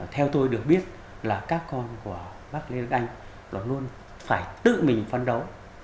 theo tôi được biết là các con của bác lê đức anh luôn phải tự mình phấn đấu